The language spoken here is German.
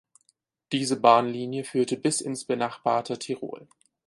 Diese Bahnlinie führte bis ins benachbarte Tirol.